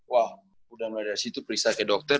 wah udah mulai dari situ periksa ke dokter